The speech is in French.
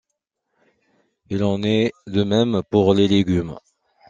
Il en est de même pour les légumes.